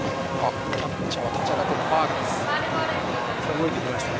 動いてきましたね。